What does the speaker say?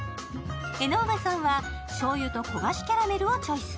江上さんは醤油と焦がしキャラメルをチョイス。